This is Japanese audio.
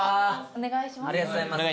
お願いします。